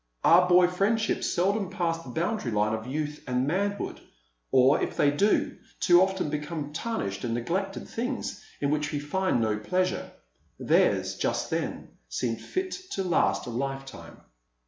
Our boy friendships seldom pass the boundary line of youth and manhood; or, if they do, too often become tarnished and neglected things in which we find no pleasure. Theirs, just then, seemed fit to last a lifetime.